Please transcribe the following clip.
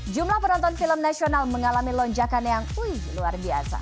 jumlah penonton film nasional mengalami lonjakan yang ui luar biasa